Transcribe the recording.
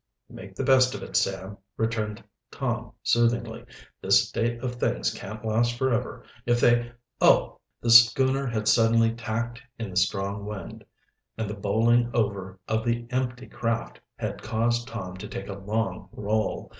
"Make the best of it, Sam," returned Tom soothingly. "This state of things can't last forever. If they Oh!" The schooner had suddenly tacked in the strong wind, and the bowling over of the empty craft had caused Tom to take a long roll.